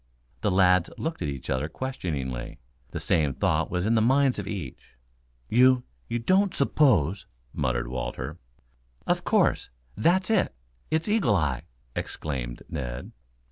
The lads looked at each other questioningly. The same thought was in the mind of each. "You you don't suppose " muttered Walter. "Of course! That's it! It's Eagle eye!" exclaimed Ned.